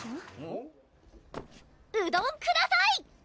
うどんください！